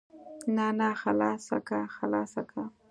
نه نه خلاصه که خلاصه که.